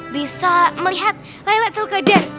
bisa melihat laya tukau datang